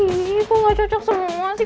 ini kok gak cocok semua sih